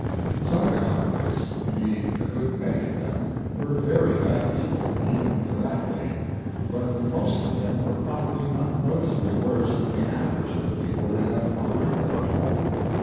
Some of the convicts indeed, a good many of them were very bad people, even for that day; but the most of them were probably not noticeably worse than the average of the people they left behind them at home.